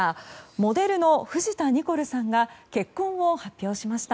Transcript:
モデルの藤田ニコルさんが結婚を発表しました。